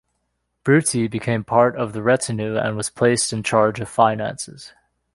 Brutti became part of the retinue and was placed in charge of finances.